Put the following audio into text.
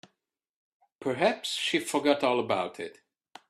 Perhaps she forgot all about it.